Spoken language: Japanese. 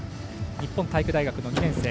日本体育大学の２年生。